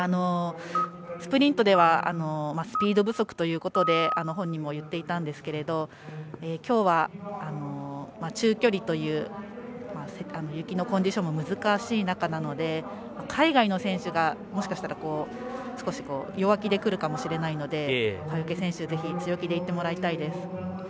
スプリントではスピード不足ということで本人も言っていたんですけれど今日は中距離という雪のコンディションも難しい中なので海外の選手がもしかしたら少し弱気で来るかもしれないので川除選手、ぜひ強気で行ってもらいたいです。